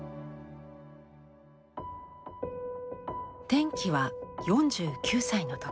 転機は４９歳の時。